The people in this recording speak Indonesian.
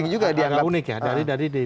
ini juga penting juga dianggap